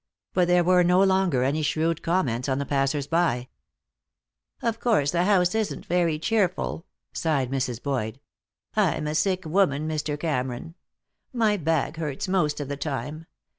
But there were no longer any shrewd comments on the passers by. "Of course, the house isn't very cheerful," sighed Mrs. Boyd. "I'm a sick woman, Mr. Cameron. My back hurts most of the time.